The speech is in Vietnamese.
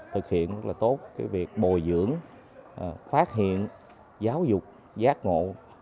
thực hiện rất là tốt việc bồi dưỡng phát hiện giáo dục giác ngộ